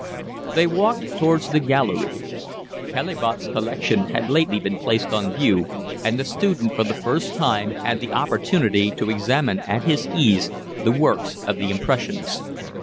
They walked towards the gallery. Caillebotte's collection had lately been placed on view, and the student for the first time had the opportunity to examine at his ease the works of the impressionists.